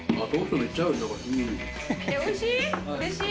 おいしい？